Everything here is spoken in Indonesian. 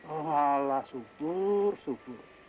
oh allah subur subur